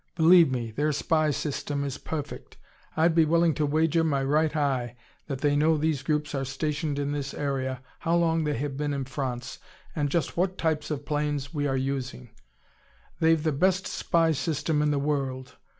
Believe me, their spy system is perfect. I'd be willing to wager my right eye that they know these groups are stationed in this area, how long they have been in France, and just what types of planes we are using. They've the best spy system in the world.